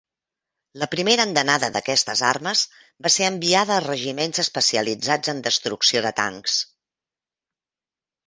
La primera andanada d’aquestes armes, va ser enviada a regiments especialitzats en destrucció de tancs.